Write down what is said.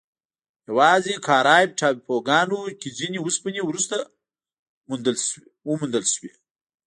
یواځې کارایب ټاپوګانو کې ځینې اوسپنې وروسته موندل شوې.